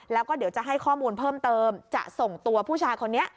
แล้วก็เดี๋ยวจะให้ข้อมูลเพิ่มเติมจะส่งตัวผู้ชายคนนี้